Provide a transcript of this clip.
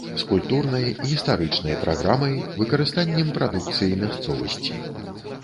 З культурнай, гістарычнай праграмай, выкарыстаннем прадукцыі мясцовасці.